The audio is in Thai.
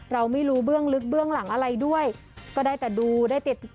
เราไม่รู้เบื้องลึกเบื้องหลังอะไรด้วยก็ได้แต่ดูได้ติด